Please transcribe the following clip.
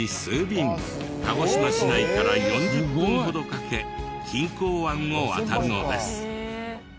便鹿児島市内から４０分ほどかけ錦江湾を渡るのです。